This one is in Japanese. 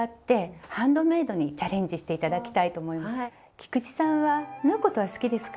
菊池さんは縫うことは好きですか？